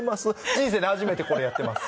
人生で初めてこれやってます。